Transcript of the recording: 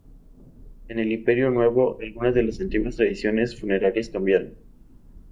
En el Imperio Nuevo, algunas de las antiguas tradiciones funerarias cambiaron.